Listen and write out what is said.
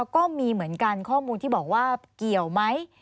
ก็มีเหมือนกันข้อมูลที่บอกว่าเกี่ยวไหม